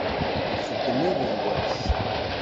La txeddem iḍ d wass.